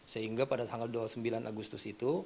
sehingga pada tanggal dua puluh sembilan agustus itu